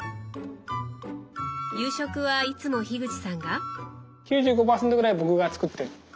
夕食はいつも口さんが？